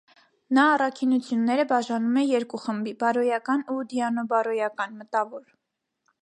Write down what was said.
Նա առաքինությունները բաժանում է երկու խմբի՝ բարոյական ու դիանոբարոյական (մտավոր)։